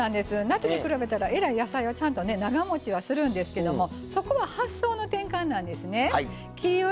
夏に比べたら野菜は長持ちはするんですけれどもそこは発想の転換なんですね。